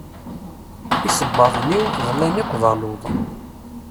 Isebbaḍen-iw ḍlan akk d aluḍ.